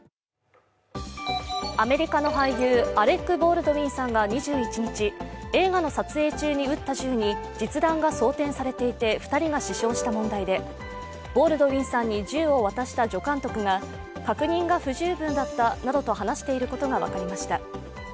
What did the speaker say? アメリカの俳優アレック・ボールドウィンさんが２１日映画の撮影中に撃った銃に実弾が装てんされていて２人が死傷した問題でボールドウィンさんに銃を渡した助監督が確認が不十分だったなどと話していることが分かりました。